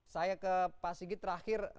saya ke pak sigit terakhir